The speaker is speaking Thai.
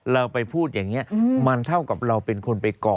เราไปพูดอย่างนี้มันเท่ากับเราเป็นคนไปก่อ